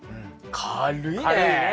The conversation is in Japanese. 軽いね。